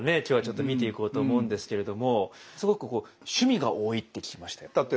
今日はちょっと見ていこうと思うんですけれどもすごくこう趣味が多いって聞きましたよ。